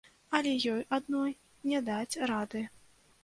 Але ёй адной не даць рады.